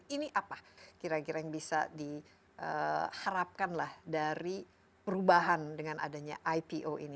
ini apa kira kira yang bisa diharapkan lah dari perubahan dengan adanya ipo ini